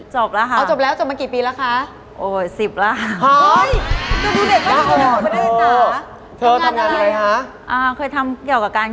จบแล้วค่ะเอาจบแล้วจบมากี่ปีแล้วคะ